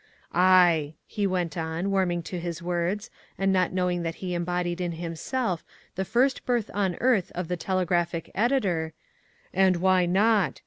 Aye," he went on, warming to his words and not knowing that he embodied in himself the first birth on earth of the telegraphic editor, "and why not.